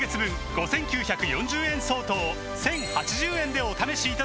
５，９４０円相当を１，０８０円でお試しいただけます